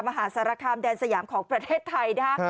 มหาสารคามแดนสยามของประเทศไทยนะฮะ